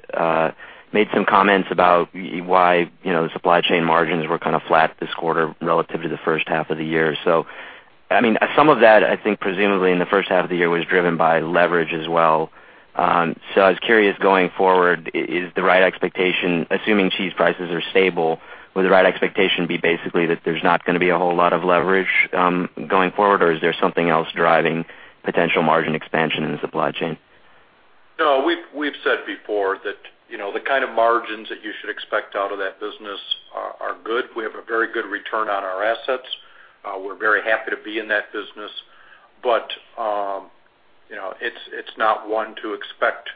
made some comments about why the supply chain margins were kind of flat this quarter relative to the first half of the year. Some of that, I think, presumably in the first half of the year, was driven by leverage as well. I was curious, going forward, assuming cheese prices are stable, would the right expectation be basically that there's not going to be a whole lot of leverage going forward, or is there something else driving potential margin expansion in the supply chain? No. We've said before that the kind of margins that you should expect out of that business are good. We have a very good return on our assets. We're very happy to be in that business, but it's not one to expect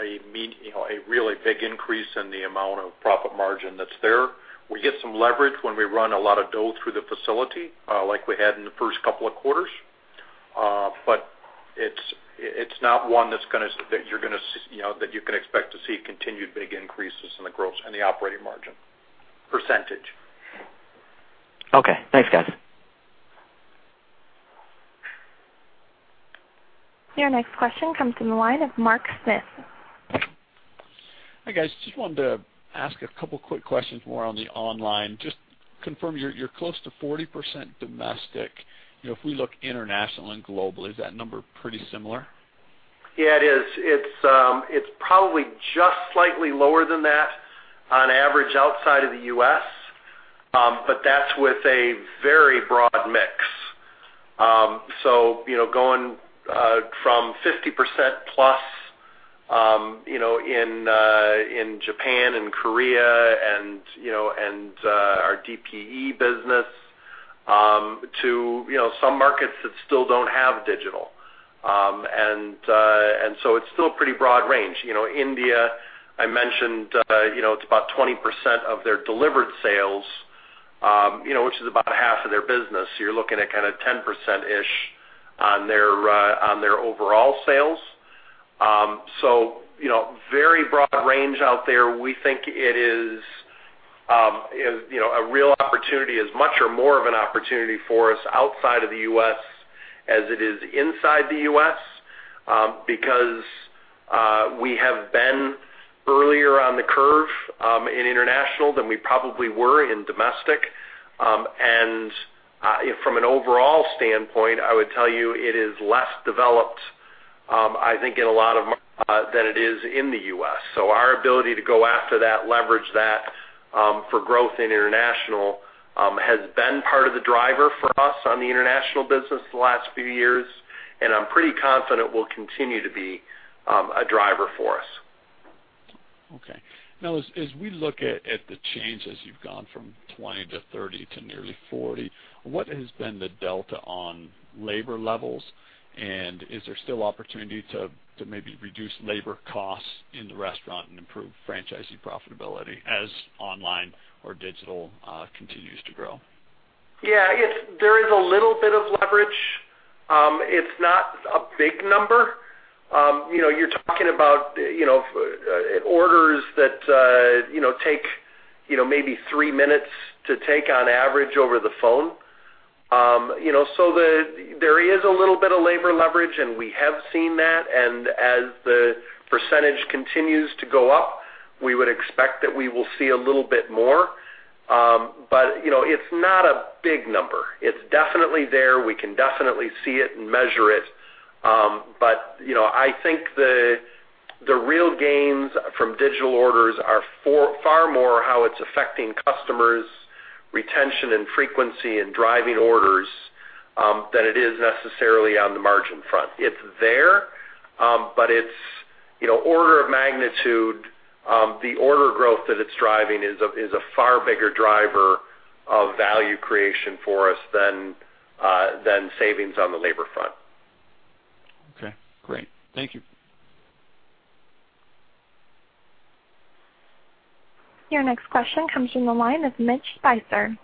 a really big increase in the amount of profit margin that's there. We get some leverage when we run a lot of dough through the facility, like we had in the first couple of quarters. It's not one that you can expect to see continued big increases in the operating margin percentage. Okay. Thanks, guys. Your next question comes from the line of Mark Smith. Hi, guys. Just wanted to ask a couple of quick questions more on the online. Just confirm, you're close to 40% domestic. If we look international and globally, is that number pretty similar? Yeah, it is. It's probably just slightly lower than that on average outside of the U.S., but that's with a very broad mix. Going from 50% plus in Japan and Korea and our DPE business, to some markets that still don't have digital. It's still a pretty broad range. India, I mentioned, it's about 20% of their delivered sales, which is about half of their business. You're looking at kind of 10%-ish on their overall sales. Very broad range out there. We think it is a real opportunity, as much or more of an opportunity for us outside of the U.S. as it is inside the U.S., because we have been earlier on the curve in international than we probably were in domestic. From an overall standpoint, I would tell you it is less developed, I think, in a lot of markets than it is in the U.S. Our ability to go after that, leverage that for growth in international has been part of the driver for us on the international business the last few years, and I'm pretty confident will continue to be a driver for us. Okay. Now, as we look at the changes, you've gone from 20% to 30% to nearly 40%. What has been the delta on labor levels, and is there still opportunity to maybe reduce labor costs in the restaurant and improve franchisee profitability as online or digital continues to grow? There is a little bit of leverage. It's not a big number. You're talking about orders that take maybe three minutes to take on average over the phone. There is a little bit of labor leverage, and we have seen that, and as the percentage continues to go up, we would expect that we will see a little bit more. It's not a big number. It's definitely there. We can definitely see it and measure it. I think the real gains from digital orders are far more how it's affecting customers' retention and frequency in driving orders than it is necessarily on the margin front. It's there, but order of magnitude, the order growth that it's driving is a far bigger driver of value creation for us than savings on the labor front. Okay, great. Thank you. Your next question comes from the line of Mitchell Speiser.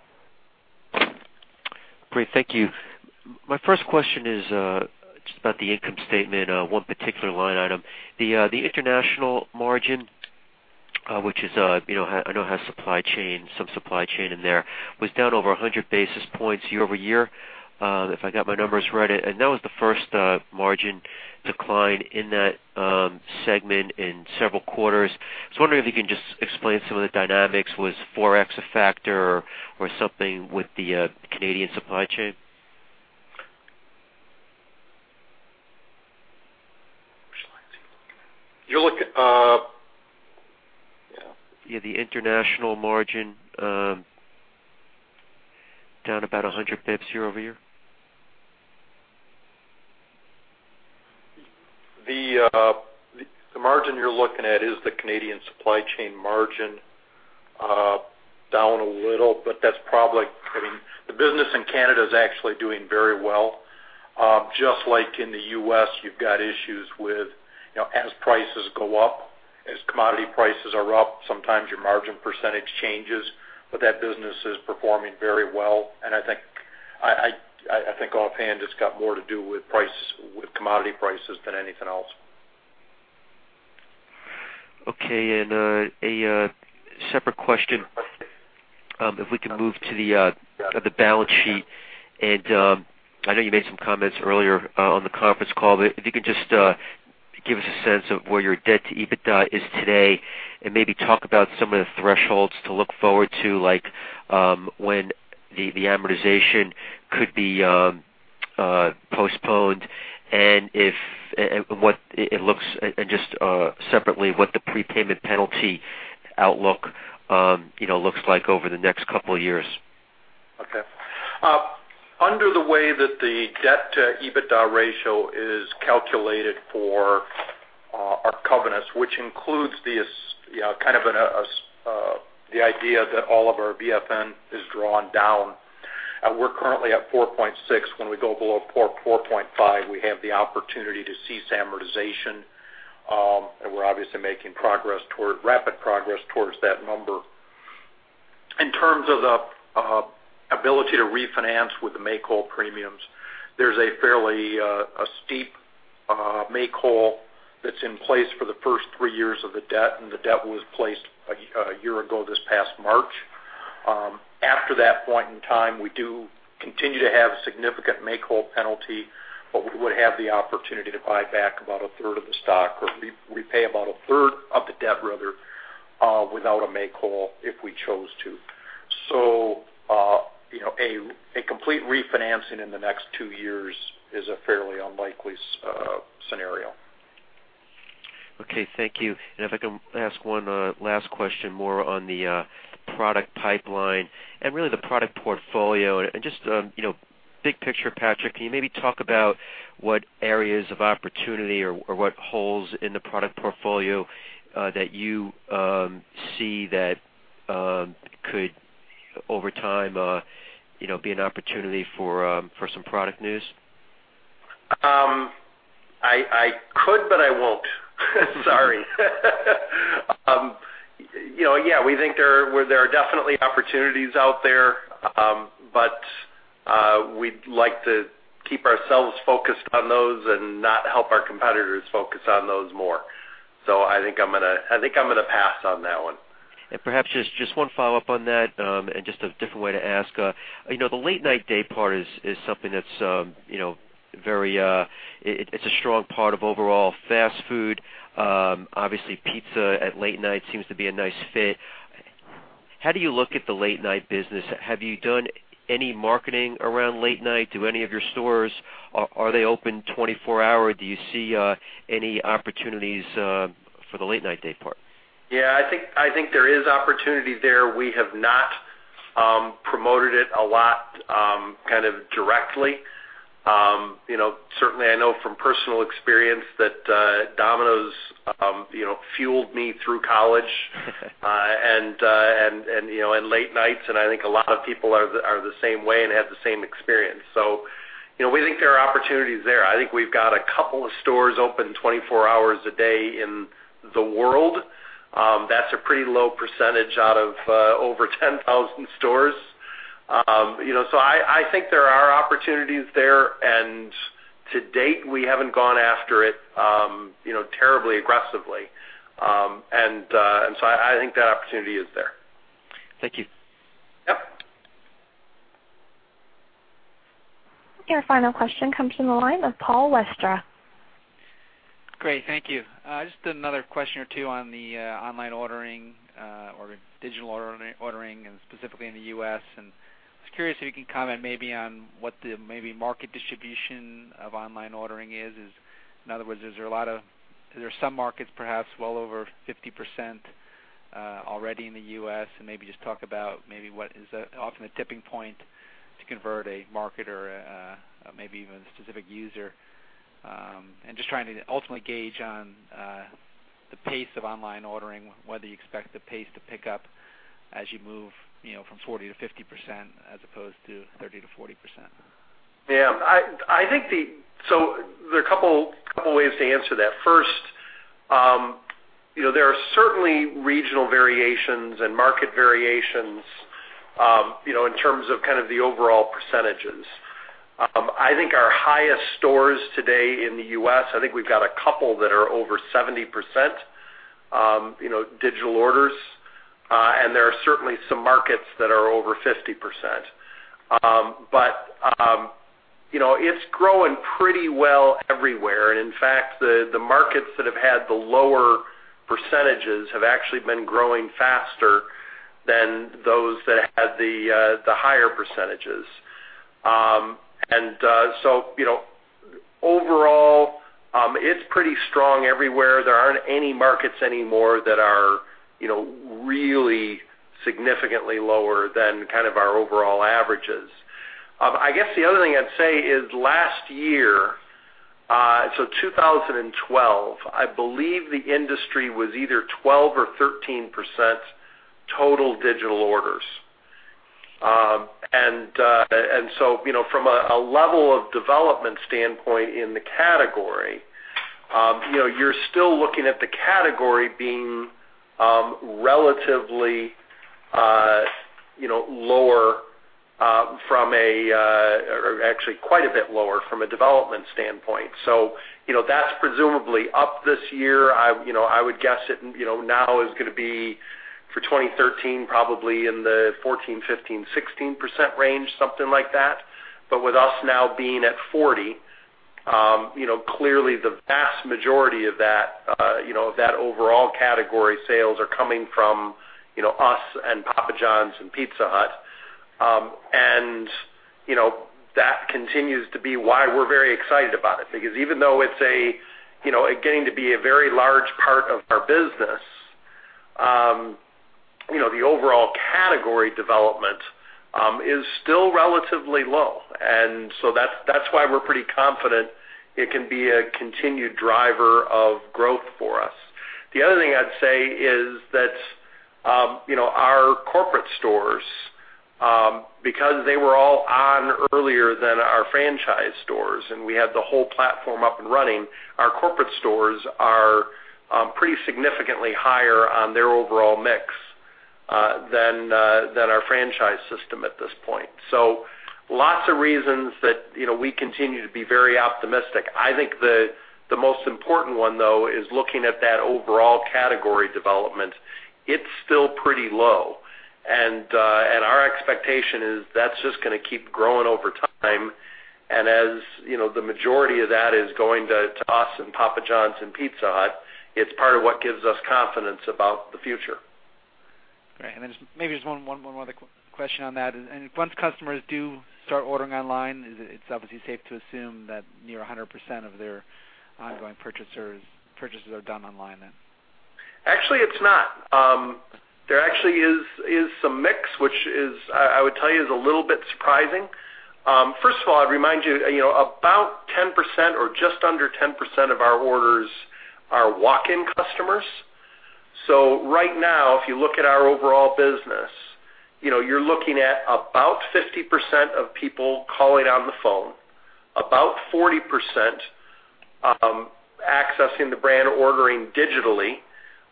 Great. Thank you. My first question is just about the income statement, one particular line item. The international margin, which I know has some supply chain in there, was down over 100 basis points year-over-year, if I got my numbers right. That was the first margin decline in that segment in several quarters. I was wondering if you can just explain some of the dynamics. Was ForEx a factor or something with the Canadian supply chain? Which line are you looking at? Yeah, the international margin down about 100 basis points year-over-year. The margin you're looking at is the Canadian supply chain margin down a little, but that's probably. The business in Canada is actually doing very well. Just like in the U.S., you've got issues with as prices go up, as commodity prices are up, sometimes your margin % changes, but that business is performing very well, and I think offhand, it's got more to do with commodity prices than anything else. Okay. A separate question. If we can move to the balance sheet, and I know you made some comments earlier on the conference call, but if you could just give us a sense of where your debt to EBITDA is today and maybe talk about some of the thresholds to look forward to, like when the amortization could be postponed and just separately, what the prepayment penalty outlook looks like over the next couple of years. Okay. Under the way that the debt to EBITDA ratio is calculated for our covenants, which includes the idea that all of our VFN is drawn down. We're currently at 4.6. When we go below 4.5, we have the opportunity to cease amortization, and we're obviously making rapid progress towards that number. In terms of the ability to refinance with the make-whole premiums, there's a fairly steep make-whole that's in place for the first three years of the debt, and the debt was placed a year ago this past March. After that point in time, we do continue to have a significant make-whole penalty, but we would have the opportunity to buy back about a third of the stock, or repay about a third of the debt, rather, without a make-whole if we chose to. A complete refinancing in the next two years is a fairly unlikely scenario. Okay, thank you. If I can ask one last question more on the product pipeline and really the product portfolio. Just big picture, Patrick, can you maybe talk about what areas of opportunity or what holes in the product portfolio that you see that could, over time be an opportunity for some product news? I could, but I won't. Sorry. Yeah. We think there are definitely opportunities out there. We'd like to keep ourselves focused on those and not help our competitors focus on those more. I think I'm going to pass on that one. Perhaps just one follow-up on that, and just a different way to ask. The late-night day part is something that it's a strong part of overall fast food. Obviously pizza at late night seems to be a nice fit. How do you look at the late night business? Have you done any marketing around late night? Do any of your stores, are they open 24 hour? Do you see any opportunities for the late-night day part? Yeah, I think there is opportunity there. We have not promoted it a lot directly. Certainly, I know from personal experience that Domino's fueled me through college and late nights, and I think a lot of people are the same way and have the same experience. We think there are opportunities there. I think we've got a couple of stores open 24 hours a day in the world. That's a pretty low percentage out of over 10,000 stores. I think there are opportunities there, and to date, we haven't gone after it terribly aggressively. I think that opportunity is there. Thank you. Yep. Your final question comes from the line of Paul Westra. Great. Thank you. Just another question or two on the online ordering, or digital ordering, and specifically in the U.S. I was curious if you can comment maybe on what the maybe market distribution of online ordering is. In other words, is there some markets perhaps well over 50% already in the U.S.? Maybe just talk about what is often the tipping point to convert a market or maybe even a specific user. Just trying to ultimately gauge on the pace of online ordering, whether you expect the pace to pick up as you move from 40%-50%, as opposed to 30%-40%. Yeah. There are a couple ways to answer that. First, there are certainly regional variations and market variations, in terms of the overall percentages. I think our highest stores today in the U.S., I think we've got a couple that are over 70% digital orders, and there are certainly some markets that are over 50%. It's growing pretty well everywhere, and in fact, the markets that have had the lower percentages have actually been growing faster than those that had the higher percentages. Overall, it's pretty strong everywhere. There aren't any markets anymore that are really significantly lower than our overall averages. I guess the other thing I'd say is last year, so 2012, I believe the industry was either 12% or 13% total digital orders. From a level of development standpoint in the category, you're still looking at the category being relatively lower, or actually quite a bit lower from a development standpoint. That's presumably up this year. I would guess it now is going to be, for 2013, probably in the 14%, 15%, 16% range, something like that. With us now being at 40%, clearly the vast majority of that overall category sales are coming from us and Papa John's and Pizza Hut. That continues to be why we're very excited about it. Because even though it's getting to be a very large part of our business, the overall category development is still relatively low, and so that's why we're pretty confident it can be a continued driver of growth for us. The other thing I'd say is that our corporate stores, because they were all on earlier than our franchise stores, and we had the whole platform up and running, our corporate stores are pretty significantly higher on their overall mix, than our franchise system at this point. Lots of reasons that we continue to be very optimistic. I think the most important one, though, is looking at that overall category development. It's still pretty low. Our expectation is that's just going to keep growing over time, and as the majority of that is going to us and Papa John's and Pizza Hut, it's part of what gives us confidence about the future. Great. Then maybe just one more question on that. Once customers do start ordering online, it's obviously safe to assume that near 100% of their ongoing purchases are done online then. Actually, it's not. There actually is some mix, which I would tell you is a little bit surprising. First of all, I'd remind you, about 10% or just under 10% of our orders are walk-in customers. Right now, if you look at our overall business, you're looking at about 50% of people calling on the phone, about 40% accessing the brand or ordering digitally,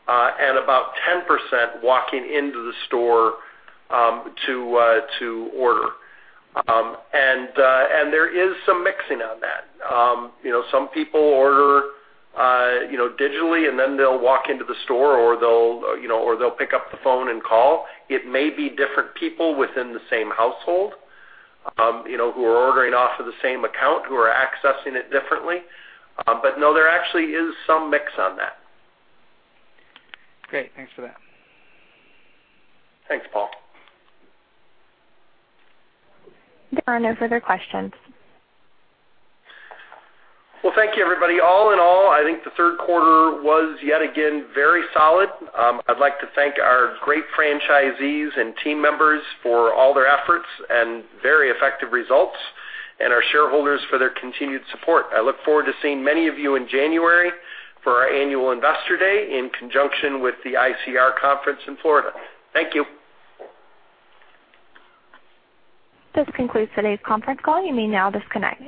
and about 10% walking into the store to order. There is some mixing on that. Some people order digitally, and then they'll walk into the store, or they'll pick up the phone and call. It may be different people within the same household, who are ordering off of the same account, who are accessing it differently. No, there actually is some mix on that. Great. Thanks for that. Thanks, Paul. There are no further questions. Well, thank you, everybody. All in all, I think the third quarter was yet again very solid. I'd like to thank our great franchisees and team members for all their efforts and very effective results, and our shareholders for their continued support. I look forward to seeing many of you in January for our annual investor day in conjunction with the ICR Conference in Florida. Thank you. This concludes today's conference call. You may now disconnect.